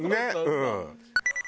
うん。